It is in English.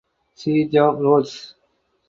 Siege of Rhodes.